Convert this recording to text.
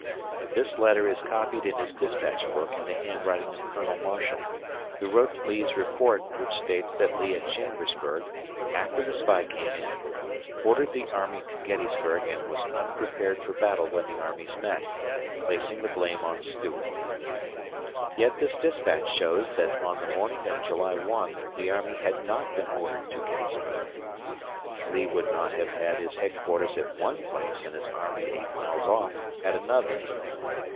This letter is copied in his dispatch book in the handwriting of Colonel Marshall, who wrote Lee's report which states that Lee at Chambersburg, after the spy came in, ordered the army to Gettysburg and was unprepared for battle when the armies met, placing the blame on Stuart. Yet this dispatch shows that on the morning of July 1 the army had not been ordered to Gettysburg. Lee would not have had his headquarters at one place and his army eight miles off at another.